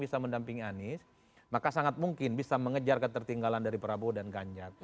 bisa mendampingi anies maka sangat mungkin bisa mengejar ketertinggalan dari prabowo dan ganjar